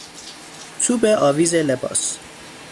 چوب آویز لباس